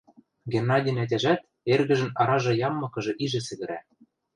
Геннадин ӓтяжӓт эргӹжӹн аражы яммыкыжы ижӹ сӹгӹрӓ: